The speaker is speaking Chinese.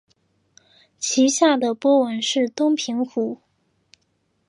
其下的波纹是东平湖。